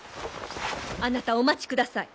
あなたお待ちください。